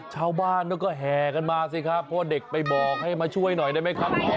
ชาวบ้านก็แห่กันมาสิครับเพราะว่าเด็กไปบอกให้มาช่วยหน่อยได้ไหมครับ